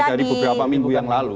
dari beberapa minggu yang lalu